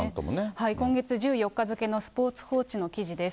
今月１４日付のスポーツ報知の記事です。